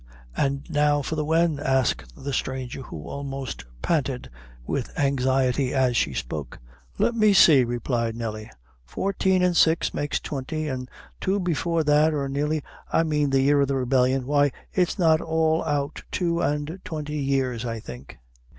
"An' now for the when?" asked the stranger, who almost panted with anxiety as she spoke. "Let me see," replied Nelly, "fourteen and six makes twenty, an' two before that or nearly I mane the year of the rebellion, Why it's not all out two and twenty years, I think."